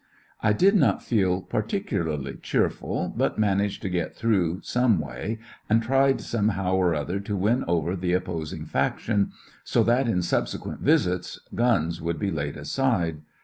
I did not feel particularly cheerful, but 113 ^coUections of a managed to get through some way^ and tried; somehow or other, to win over the opposing faction, so that in subsequent visits "guns " would be laid aside.